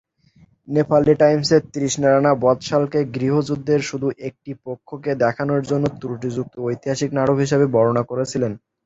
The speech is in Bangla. নেপালি টাইমসের তৃষ্ণা রানা "বধশালা"কে গৃহযুদ্ধের শুধু একটি পক্ষকে দেখানোর জন্য "ত্রুটিযুক্ত ঐতিহাসিক নাটক" হিসেবে বর্ণনা করেছিলেন।